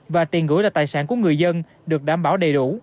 và tiền gửi là tài sản của người dân được đảm bảo đầy đủ